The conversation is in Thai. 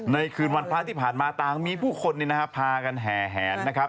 คืนวันพระที่ผ่านมาต่างมีผู้คนพากันแห่แหนนะครับ